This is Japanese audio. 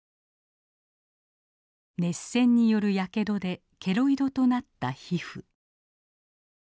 熱線によるヤケドでケロイドとなった皮膚。